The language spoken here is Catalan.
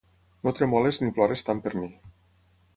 No tremolis ni ploris tant per mi.